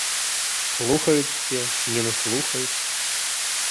Слухаюць усе, не наслухаюцца.